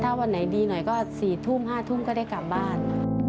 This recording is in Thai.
ถ้าวันไหนดีหน่อยก็๔ทุ่ม๕ทุ่มก็ได้กลับบ้าน